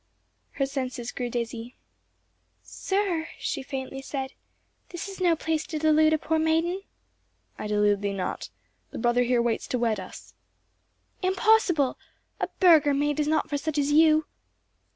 Her senses grew dizzy. "Sir," she faintly said, "this is no place to delude a poor maiden." "I delude thee not. The brother here waits to wed us." "Impossible! A burgher maid is not for such as you."